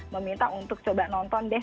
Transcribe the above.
meminta untuk coba nonton deh